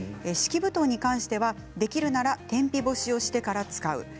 敷布団に関しては、できるなら天日干しをしてから使う。